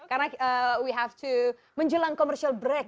karena kita harus menjelang perhenti komersial